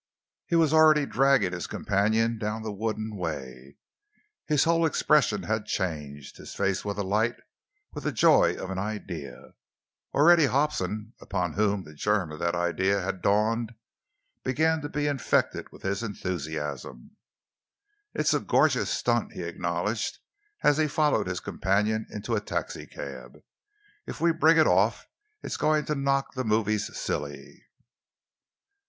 He was already dragging his companion down the wooden way. His whole expression had changed. His face was alight with the joy of an idea. Already Hobson, upon whom the germ of that idea had dawned, began to be infected with his enthusiasm. "It's a gorgeous stunt," he acknowledged, as he followed his companion into a taxicab. "If we bring it off, it's going to knock the movies silly."